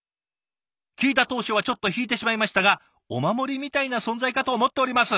「聞いた当初はちょっと引いてしまいましたがお守りみたいな存在かと思っております」。